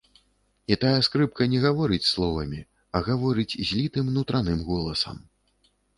І тая скрыпка не гаворыць словамі, а гаворыць злітым нутраным голасам.